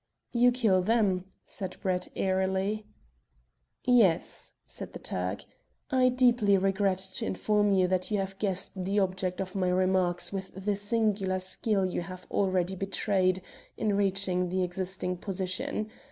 "You kill them," said Brett, airily. "Yes," said the Turk, "I deeply regret to inform you that you have guessed the object of my remarks with the singular skill you have already betrayed in reaching the existing position.